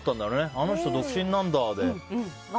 あの人、独身なんだで。